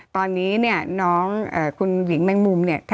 ตอนนี้เนี่ยน้องคุณหญิงแมงมุมเนี่ย